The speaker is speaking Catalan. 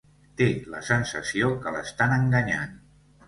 Té la sensació que l'estan enganyant.